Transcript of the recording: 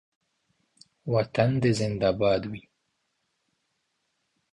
وطن دې زنده باد وي